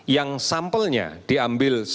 yang sampelnya diambil dari pdr